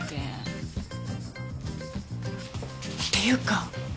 っていうか